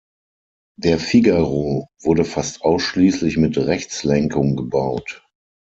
Der Figaro wurde fast ausschließlich mit Rechtslenkung gebaut.